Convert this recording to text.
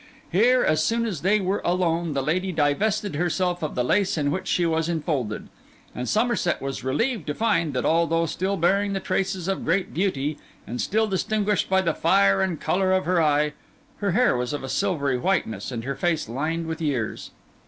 Here, as soon as they were alone, the lady divested herself of the lace in which she was enfolded; and Somerset was relieved to find, that although still bearing the traces of great beauty, and still distinguished by the fire and colour of her eye, her hair was of a silvery whiteness and her face lined with years.